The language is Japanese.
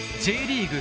Ｊリーグ